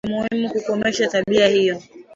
Ni muhimu kukomesha tabia hiyo